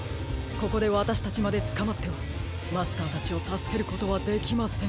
ここでわたしたちまでつかまってはマスターたちをたすけることはできません。